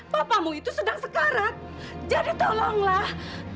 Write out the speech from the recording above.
papamu itu sedang sekarat jadi tolonglah